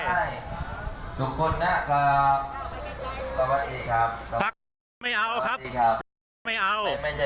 ทุกคนนะครับสวัสดีครับไม่เอาครับไม่เอา